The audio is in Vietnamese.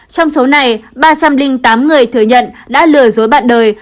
trong số này ba trăm linh tám người thừa nhận đã lừa dối bạn đời